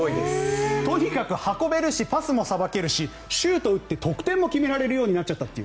とにかく運べるしパスもさばけるしシュート打って得点も決められるようになっちゃったと。